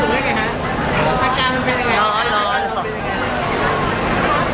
ไม่ได้เจอในคุณหรอก